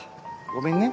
ごめんね。